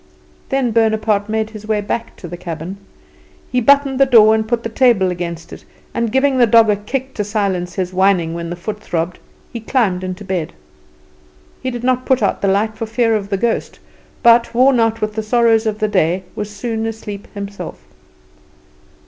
Then Bonaparte made his way back to the cabin. He buttoned the door and put the table against it and, giving the dog a kick to silence his whining when the foot throbbed, he climbed into bed. He did not put out the light, for fear of the ghost, but, worn out with the sorrows of the day, was soon asleep himself.